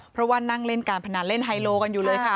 เพราะว่านั่งเล่นการพนันเล่นไฮโลกันอยู่เลยค่ะ